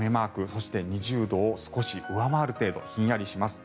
そして２０度を少し上回る程度ひんやりします。